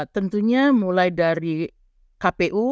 tentunya mulai dari kpu